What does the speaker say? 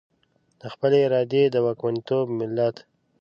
د خپلې ارادې د واکمنتوب ملت.